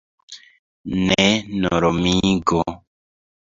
Ne normigo.